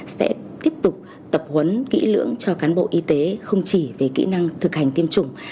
sẽ tiếp tục tập huấn kỹ lưỡng cho cán bộ y tế không chỉ về kỹ năng thực hành tiêm chủng